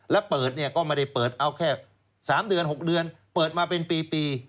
แล้วเปิดเนี่ยก็ไม่ได้เปิดเอาแค่๓เดือน๖เดือนเปิดมาเป็นปี